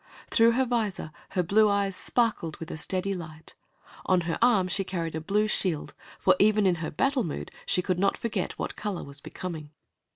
Through her visor her blue eyes sparkled with a steady light. On her arm she carried a blue shield, for even in her battle mood she could not forget what color was becoming.